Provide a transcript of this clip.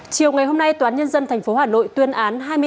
chiều ngày hôm nay toán nhân dân tp hà nội tuyên án